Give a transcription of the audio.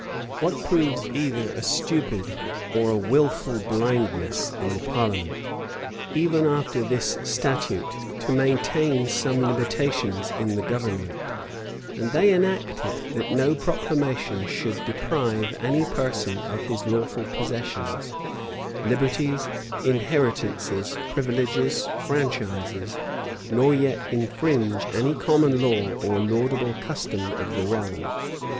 [*]* 31 Henry VIII. c. 8. What proves either a stupid or a wilful blindness in the parliament, is, that they pretended, even after this statute, to maintain some limitations in the government; and they enacted, that no proclamation should deprive any person of his lawful possessions, liberties, inheritances, privileges, franchises; nor yet infringe any common law or laudable custom of the realm.